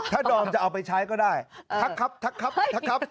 ถ้าดอมจะเอาไปใช้ก็ได้ทักครับทักครับทักครับ